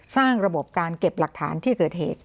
สร้างระบบการเก็บหลักฐานที่เกิดเหตุ